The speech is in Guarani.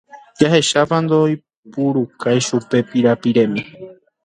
Jahechápa ndoipurukái chupe pirapiremi.